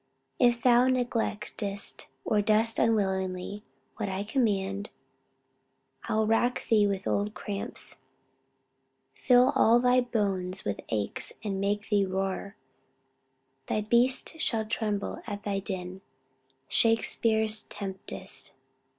"If thou neglect'st, or dost unwillingly What I command, I'll rack thee with old cramps, Fill all thy bones with aches; make thee roar, That beasts shall tremble at thy din." SHAKESPEARE'S TEMPEST.